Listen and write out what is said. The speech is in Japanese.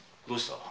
どうした？